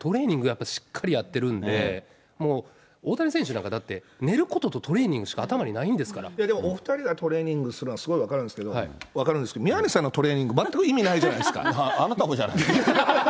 やっぱりしっかりやってるんで、もう大谷選手なんかだって、寝ることとトレーニングしか頭にないんですでもお２人がトレーニングするのはすごい分かるんですけど、宮根さんのトレーニング、あなたもじゃないですか。